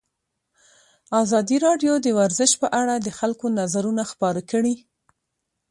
ازادي راډیو د ورزش په اړه د خلکو نظرونه خپاره کړي.